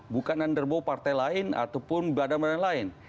bukan underbo partai lain ataupun badan badan lain